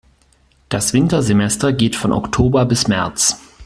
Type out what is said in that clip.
Das Wintersemester geht von Oktober bis März.